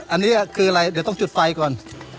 อันนี้คืออะไรเดี๋ยวต้องจุดไฟก่อน